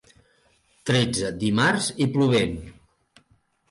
Tretze, dimarts i plovent.